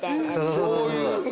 そうそう。